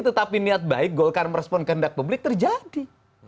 tetapi niat baik golkar merespon kehendak publik terjadi